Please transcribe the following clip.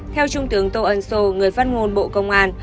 theo trung tướng tô ân sô người phát ngôn bộ công an